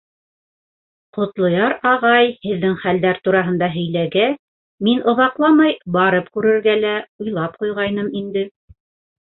Ҡотлояр ағай һеҙҙең хәлдәр тураһында һөйләгәс, мин оҙаҡламай барып күрергә лә уйлап ҡуйғайным инде.